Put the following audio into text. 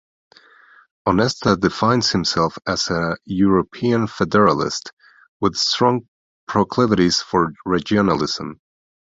Onesta defines himself as a European federalist, with strong proclivities for regionalism.